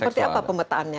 nah seperti apa pemetaannya